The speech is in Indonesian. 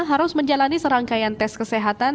harus menjalani serangkaian tes kesehatan